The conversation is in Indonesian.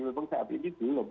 memang saat ini belum